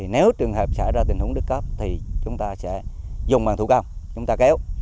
nếu trường hợp xảy ra tình huống đứt cấp thì chúng ta sẽ dùng bằng thủ công chúng ta kéo